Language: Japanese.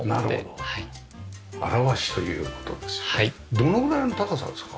どのぐらいの高さですか？